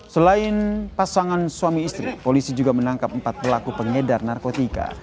selain pasangan suami istri polisi juga menangkap empat pelaku pengedar narkotika